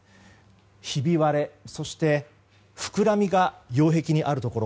ひび割れ、そしてふくらみが擁壁にあるところ